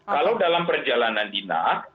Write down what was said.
kalau dalam perjalanan dinas